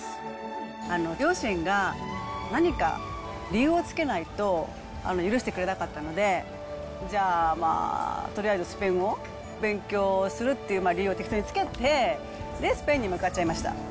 両親が何か理由をつけないと、許してくれなかったので、じゃあ、とりあえずスペイン語を勉強するっていう理由を適当につけて、で、スペインに向かっちゃいました。